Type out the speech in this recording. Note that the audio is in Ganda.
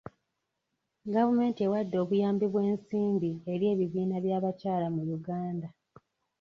Gavumenti ewadde obuyambi bw'ensimbi eri ebibiina by'abakyala mu Uganda.